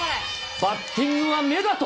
バッティングは目だと。